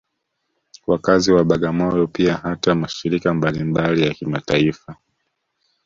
Wakazi wa Bagamoyo pia hata mashirika mbalimbali ya kimataifa